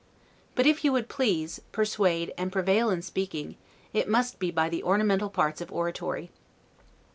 But if you would please, persuade, and prevail in speaking, it must be by the ornamental parts of oratory.